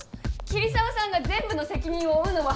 桐沢さんが全部の責任を負うのは。